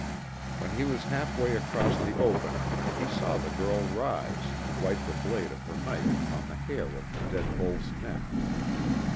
When he was half way across the open he saw the girl rise and wipe the blade of her knife upon the hair of the dead bull's neck.